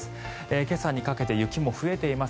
今朝にかけて雪も増えています。